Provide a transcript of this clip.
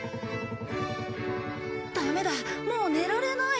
ダメだもう寝られない。